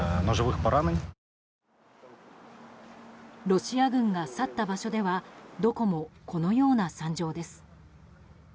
ロシア軍が去った場所ではどこも、このような惨状です。